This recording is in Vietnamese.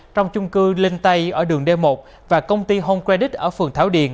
trong chung cư linh tây ở đường d một và công ty home credit ở phường thảo điền